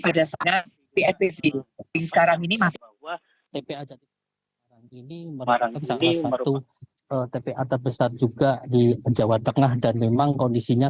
pada saat ppv sekarang ini masih bawah tp tp atas besar juga di jawa tengah dan memang kondisinya